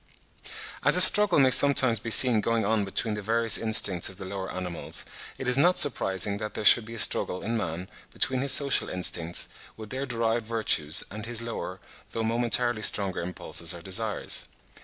As a struggle may sometimes be seen going on between the various instincts of the lower animals, it is not surprising that there should be a struggle in man between his social instincts, with their derived virtues, and his lower, though momentarily stronger impulses or desires.